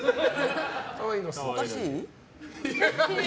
おかしい？